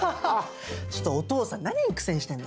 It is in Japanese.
ちょっとお父さん何に苦戦してんの？